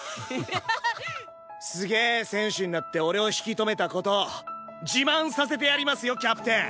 すげえ選手になって俺を引き留めた事自慢させてやりますよキャプテン！